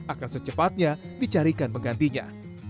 akan secepatnya dicarikan penggantinya